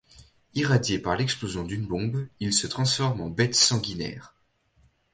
Irradié par l'explosion d'une bombe, il se transforme en une bête sanguinaire...